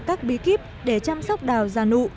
các bí kíp để chăm sóc đào già nụ